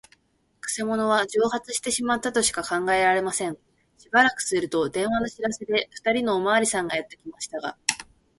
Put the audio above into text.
くせ者は蒸発してしまったとしか考えられません。しばらくすると、電話の知らせで、ふたりのおまわりさんがやってきましたが、